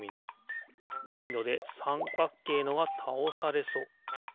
ドミノでさんかっけいのがたおされそう。